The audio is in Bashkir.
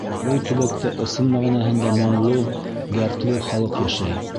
Был төбәктә ысын мәғәнәһендә моңло, дәртле халыҡ йәшәй.